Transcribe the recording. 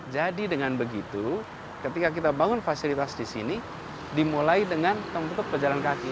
jadi dengan begitu ketika kita bangun fasilitas disini dimulai dengan tempat tempat pejalan kaki